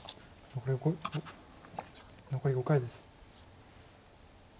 残り５回です。